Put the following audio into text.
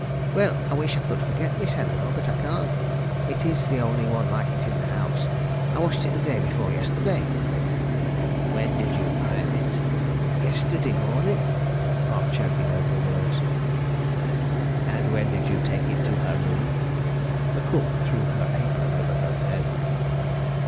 "Well, I wish I could forget, Miss Eleanore, but I can't. It is the only one like it in the house. I washed it day before yesterday." "When did you iron it?" "Yesterday morning," half choking over the words. "And when did you take it to her room?" The cook threw her apron over her head.